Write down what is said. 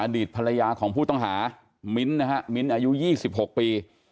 อดีตภรรยาของผู้ต้องหามิ้นท์นะฮะมิ้นอายุ๒๖ปี